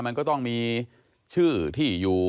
มันก็ต้องมีชื่อที่อยู่